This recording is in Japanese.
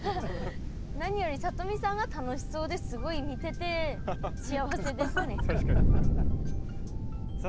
何よりさとみさんが楽しそうですごい見てて幸せですね。